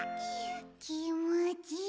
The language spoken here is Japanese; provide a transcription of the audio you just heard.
きもちいい。